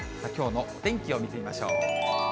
きょうのお天気を見てみましょう。